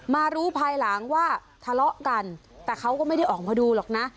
มารู้ภายหลังว่าทะเลาะกันแต่เขาก็ไม่ได้ออกมาดูหรอกนะ